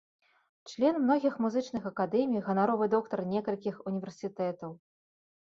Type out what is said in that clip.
Член многіх музычных акадэмій, ганаровы доктар некалькіх універсітэтаў.